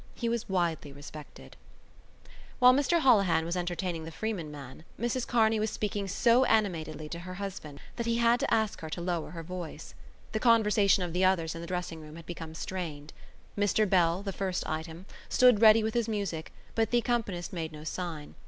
He was widely respected. While Mr Holohan was entertaining the Freeman man Mrs Kearney was speaking so animatedly to her husband that he had to ask her to lower her voice. The conversation of the others in the dressing room had become strained. Mr Bell, the first item, stood ready with his music but the accompanist made no sign.